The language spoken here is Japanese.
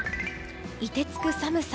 凍てつく寒さ。